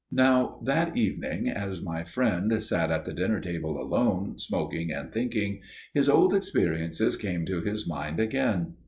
"Now, that evening, as my friend sat at the dinner table alone, smoking and thinking, his old experiences came to his mind again.